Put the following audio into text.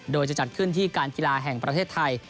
โดยจะจัดขึ้นที่การกีฬาแห่งประเทศไทย